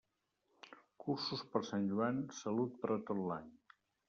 Cursos per Sant Joan, salut per a tot l'any.